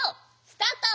スタート！